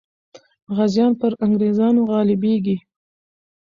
غازیان پر انګریزانو غالبېږي.